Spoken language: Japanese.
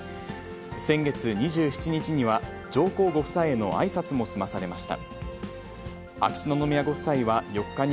先月２７日には、上皇ご夫妻へのあいさつも済まされました。